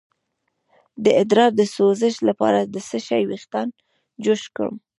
د ادرار د سوزش لپاره د څه شي ویښتان جوش کړم؟